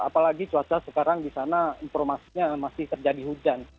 apalagi cuaca sekarang di sana informasinya masih terjadi hujan